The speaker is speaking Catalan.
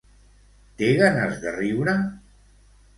Té ganes de riure?